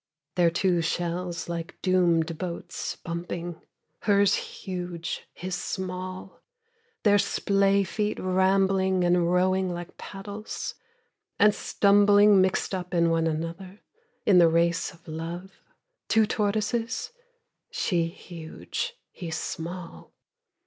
Their two shells like doomed boats bumping, Hers huge, his small; Their splay feet rambling and rowing like paddles, And stumbling mixed up in one another, In the race of love Two tortoises, She huge, he small.